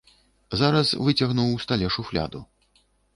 Зараз выцягнуў у стале шуфляду.